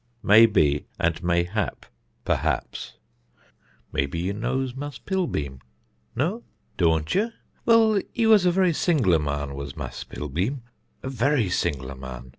May be and Mayhap (Perhaps). "May be you knows Mass Pilbeam? No! dȯȧn't ye? Well, he was a very sing'lar marn was Mass Pilbeam, a very sing'lar marn!